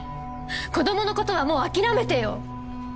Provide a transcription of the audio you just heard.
子供のことはもう諦めてよ！